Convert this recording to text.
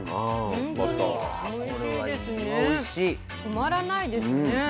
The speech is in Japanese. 止まらないですね。